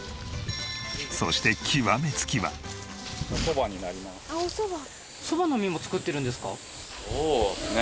そしてそうですね。